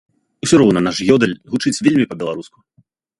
Усё роўна наш ёдэль гучыць вельмі па-беларуску.